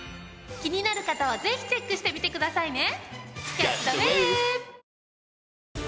気になる方はぜひチェックしてみてくださいね。